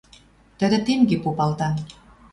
Тӹдӹ тенге попалта: